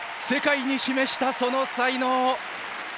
世界に示したその才能。